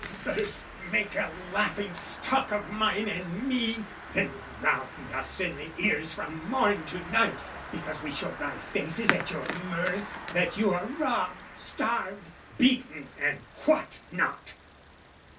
"First make a laughing stock of mine and me, "Then round us in the ears from morn to night "(Because we show wry faces at your mirth) "That you are robbed, starved, beaten, and what not!